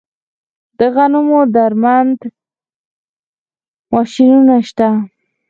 د غنمو درمند ماشینونه شته